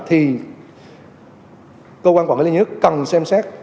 thì cơ quan quản lý nước cần xem xét